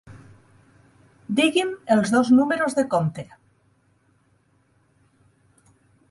Digui'm els dos números de compte.